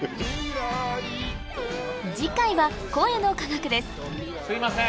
次回は声の科学ですすいません！